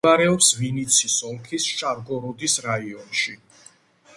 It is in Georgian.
მდებარეობს ვინიცის ოლქის შარგოროდის რაიონში.